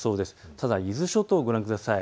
ただ伊豆諸島、ご覧ください。